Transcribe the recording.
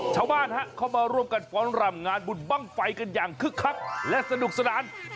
เช้าบ้านเข้ามาร่วมกันฟอร์มร่ำงานบุธบังไฟกันอย่างขึ้กคับและสนุกสนาน